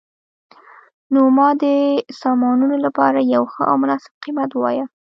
نو ما د سامانونو لپاره یو ښه او مناسب قیمت وواایه